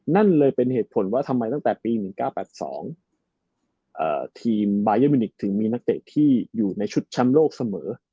นั่นเลยเป็นเหตุผลว่าทำไมตั้งแต่ปี๑๙๘๒ทีมบายันมินิกถึงมีนักเตะที่อยู่ในชุดแชมป์โลกเสมอ